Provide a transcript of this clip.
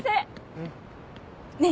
うん。ねぇ。